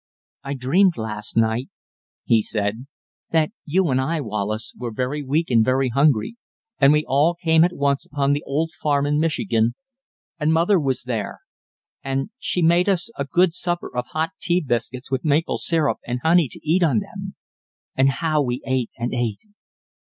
"I dreamed last night," he said, "that you and I, Wallace, were very weak and very hungry, and we came all at once upon the old farm in Michigan, and mother was there, and she made us a good supper of hot tea biscuits with maple syrup and honey to eat on them. And how we ate and ate!"